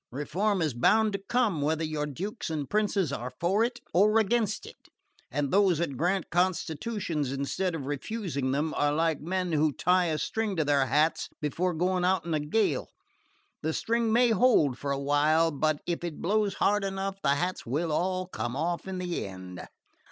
Reform is bound to come, whether your Dukes and Princes are for it or against it; and those that grant constitutions instead of refusing them are like men who tie a string to their hats before going out in a gale. The string may hold for a while but if it blows hard enough the hats will all come off in the end."